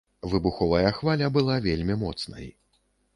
Выбуховая хваля была вельмі моцнай.